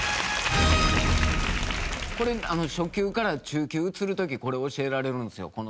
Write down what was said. これ初級から中級移る時これ教えられるんですよ